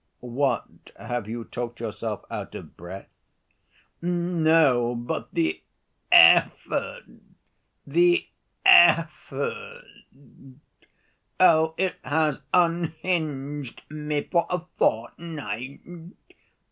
"What, have you talked yourself out of breath?" "No; but the effort! the effort! Oh, it has unhinged me for a fortnight!